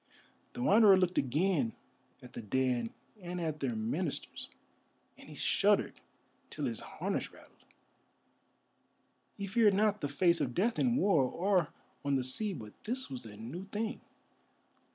The Wanderer looked again at the dead and at their ministers, and he shuddered till his harness rattled. He feared not the face of Death in war, or on the sea, but this was a new thing.